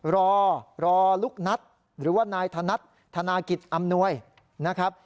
รอรอลูกนัทหรือว่านายธนัดธนากิจอำนวยนะครับ